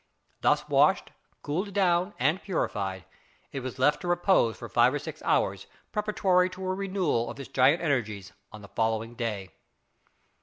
Thus washed, cooled down, and purified, it was left to repose for five or six hours preparatory to a renewal of its giant energies on the following day.